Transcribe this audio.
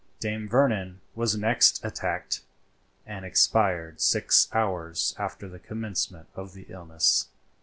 Dame Vernon was next attacked, and expired six hours after the commencement of her illness.